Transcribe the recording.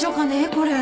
これ。